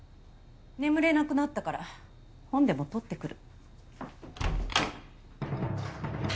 眠れなくなったから本でも取ってくる。